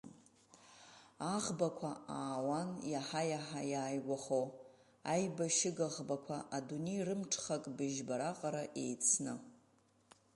Аӷбақәа аауан, иаҳа-иаҳа иааигәахо, аибашьыга ӷбақәа, адунеи рымҽхак, бжьба раҟара еицны.